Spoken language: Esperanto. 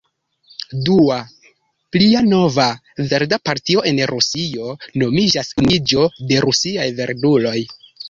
Dua, pli nova, verda partio en Rusio nomiĝas Unuiĝo de Rusiaj Verduloj.